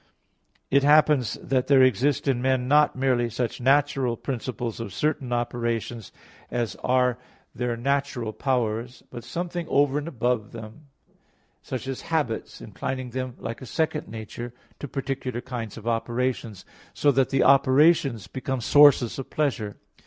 It happens that there exist in men not merely such natural principles of certain operations as are their natural powers, but something over and above these, such as habits inclining them like a second nature to particular kinds of operations, so that the operations become sources of pleasure.